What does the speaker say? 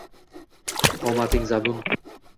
Qomating zabun?